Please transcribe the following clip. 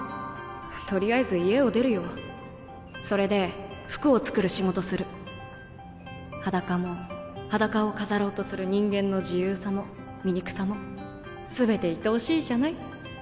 とりあえず家を出るそれで服を作る仕事する裸も裸を飾ろうとする人間の自由さも醜さも全ていとおしいじゃない？